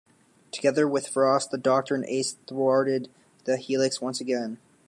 Together with Frost, the Doctor and Ace thwarted the Helix once again.